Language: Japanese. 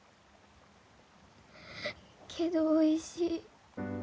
けどおいしい。